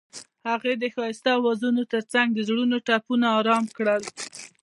هغې د ښایسته اوازونو ترڅنګ د زړونو ټپونه آرام کړل.